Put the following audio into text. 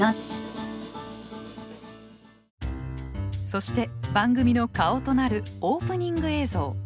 そして番組の顔となるオープニング映像。